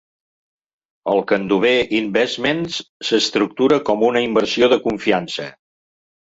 El candover Investments s'estructura com una inversió de confiança.